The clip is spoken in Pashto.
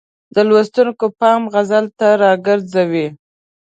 د لوستونکو پام غزل ته را وګرځوي.